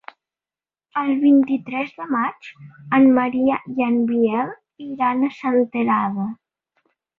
El vint-i-tres de maig en Maria i en Biel iran a Senterada.